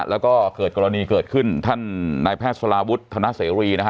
แล้วก็เกิดกรณีเกิดขึ้นท่านนายแพทย์สลาวุฒิธนเสรีนะฮะ